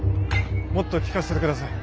もっと聞かせて下さい。